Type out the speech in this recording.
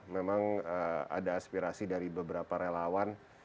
memang ada aspirasi dari beberapa relawan